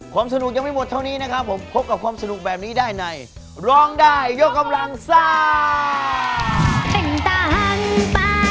สนุกยังไม่หมดเท่านี้นะครับผมพบกับความสนุกแบบนี้ได้ในร้องได้ยกกำลังซ่า